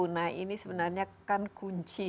nah ini sebenarnya kan kunci